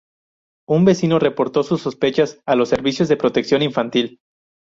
Un vecino reportó sus sospechas a los servicios de protección infantil.